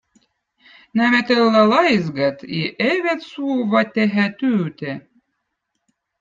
Nämäd õlla laizgad i eväd suvva tehhä tüüte.